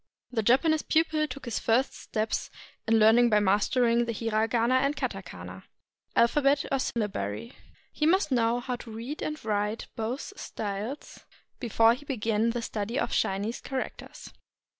The Japanese pupil took his first steps in learning by mastering the Mragana and katakana [alphabet or sylla bary]. He must know how to read and write both styles before he began the study of Chinese characters.